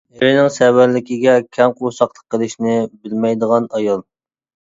ئېرىنىڭ سەۋەنلىكىگە كەڭ قورساقلىق قىلىشنى بىلمەيدىغان ئايال.